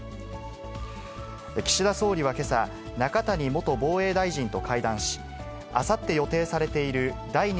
岸田総理はけさ、中谷元防衛大臣と会談し、あさって予定されている第２